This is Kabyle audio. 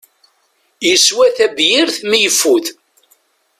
Yeswa tabyirt mi yefud.